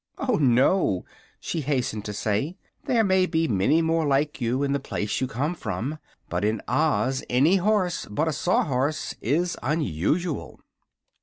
"Oh, no," she hastened to say, "there may be many more like you in the place you came from, but in Oz any horse but a Sawhorse is unusual."